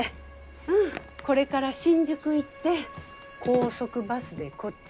うんこれから新宿行って高速バスでこっちに戻るって。